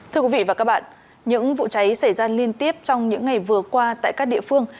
thưa quý vị và các bạn những vụ cháy xảy ra liên tiếp trong những ngày vừa qua tại các địa phương